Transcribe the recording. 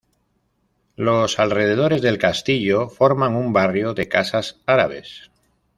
Los alrededores del Castillo forman un Barrio de casas Árabes.